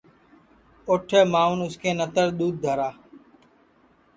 اوٹھے ماںٚون اُس کے نتر دؔودھ دھرا